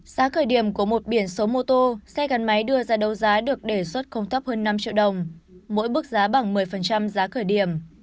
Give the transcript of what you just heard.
giá khởi điểm của một biển số mô tô xe gắn máy đưa ra đấu giá được đề xuất không thấp hơn năm triệu đồng mỗi bức giá bằng một mươi giá khởi điểm